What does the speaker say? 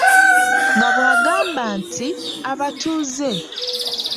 Nga bw'agamba nti ,abatuuze!